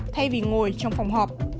thay vì ngồi trong phòng họp